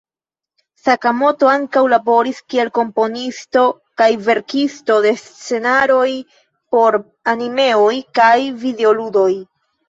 Sakamoto ankaŭ laboris kiel komponisto kaj verkisto de scenaroj por animeoj kaj videoludoj.